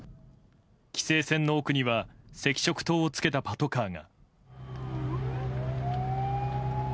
規制線の奥には赤色灯をつけたパトカーが。